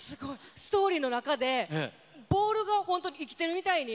ストーリーの中で、ボールが本当に生きてるみたいに。